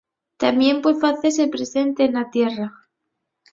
Tamién pue facese presente na tierra.